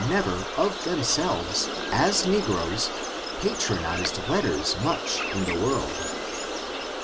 223 never of themselves, as negroes^ patronized letters much m the world.